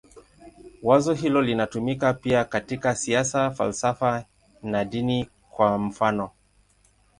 Wazo hilo linatumika pia katika siasa, falsafa na dini, kwa mfanof.